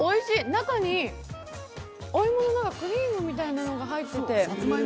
中にお芋のクリームみたなのが入っててふわっふぁ。